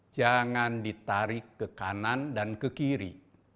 jangan ditarik ke kanan dan ke kiri